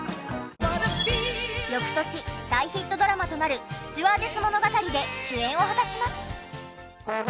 翌年大ヒットドラマとなる『スチュワーデス物語』で主演を果たします。